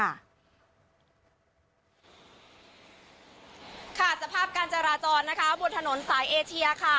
ค่ะสภาพการจราจรนะคะบนถนนสายเอเชียค่ะ